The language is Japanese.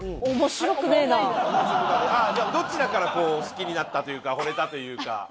じゃあどちらからこう好きになったというかほれたというか。